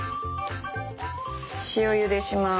塩ゆでします。